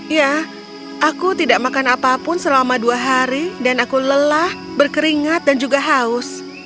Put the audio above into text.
ya aku tidak makan apapun selama dua hari dan aku lelah berkeringat dan juga haus